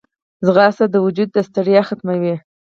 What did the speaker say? ځغاسته د وجود ستړیا ختموي